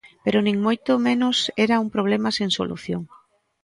Pero nin moito menos era un problema sen solución.